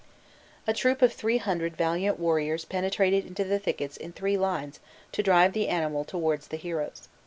A troop of three hundred valiant warriors penetrated into the thickets in three lines to drive the animal towards the heroes.